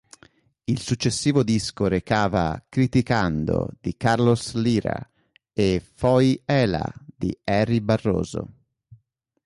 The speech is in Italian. Il successivo disco recava "Criticando", di Carlos Lyra, e "Foi ela" di Ary Barroso.